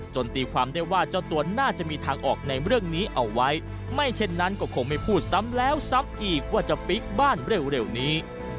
ตีความได้ว่าเจ้าตัวน่าจะมีทางออกในเรื่องนี้เอาไว้ไม่เช่นนั้นก็คงไม่พูดซ้ำแล้วซ้ำอีกว่าจะปิ๊กบ้านเร็วนี้